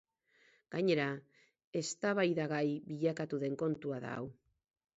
Gainera, eztabaidagai bilakatu den kontua da hau.